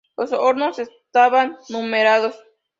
Los hornos estaban numerados.